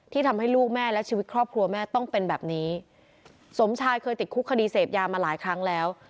ทำให้ลูกแม่และชีวิตครอบครัวแม่ต้องเป็นแบบนี้สมชายเคยติดคุกคดีเสพยามาหลายครั้งแล้ว